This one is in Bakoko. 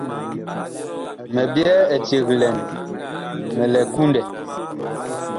Mi byɛɛ eceg lɛn, mi lɛ kundɛ.